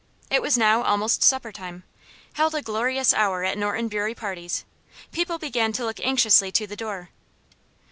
It was now almost supper time held a glorious hour at Norton Bury parties. People began to look anxiously to the door.